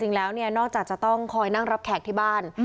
จริงแล้วเนี่ยนอกจากจะต้องคอยนั่งรับแขกที่บ้าน